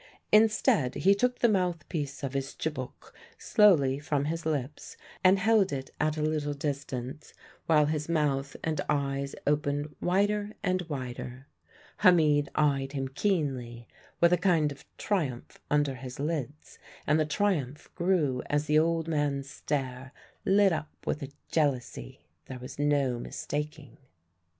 Instead, he took the mouthpiece of his tchibouk slowly from his lips and held it at a little distance, while his mouth and eyes opened wider and wider. Hamid eyed him keenly, with a kind of triumph under his lids; and the triumph grew as the old man's stare lit up with a jealousy there was no mistaking.